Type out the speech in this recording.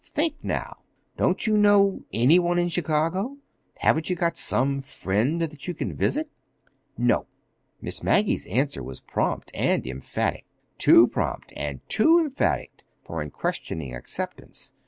Think, now. Don't you know any one in Chicago? Haven't you got some friend that you can visit?" "No!" Miss Maggie's answer was prompt and emphatic—too prompt and too emphatic for unquestioning acceptance.